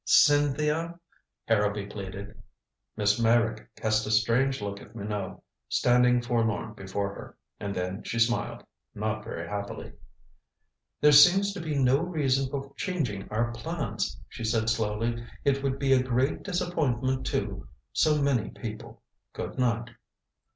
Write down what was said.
"Cynthia?" Harrowby pleaded. Miss Meyrick cast a strange look at Minot, standing forlorn before her. And then she smiled not very happily. "There seems to be no reason for changing our plans," she said slowly. "It would be a great disappointment to so many people. Good night."